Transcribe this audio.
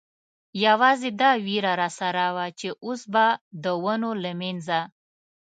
یوازې دا وېره را سره وه، چې اوس به د ونو له منځه.